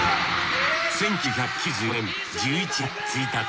１９９５年１１月１日。